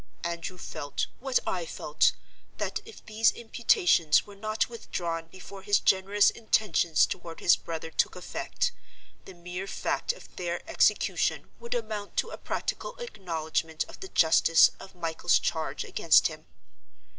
Andrew felt, what I felt, that if these imputations were not withdrawn before his generous intentions toward his brother took effect, the mere fact of their execution would amount to a practical acknowledgment of the justice of Michael's charge against him.